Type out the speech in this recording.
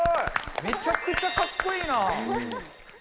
めちゃくちゃかっこいいな。